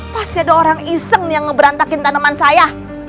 pasti ada orang iseng yang ngeberantakin tanaman saya